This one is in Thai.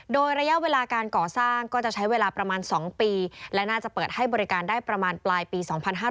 โดยระยะเวลาการก่อสร้างก็จะใช้เวลาประมาณ๒ปีและน่าจะเปิดให้บริการได้ประมาณปลายปี๒๕๕๙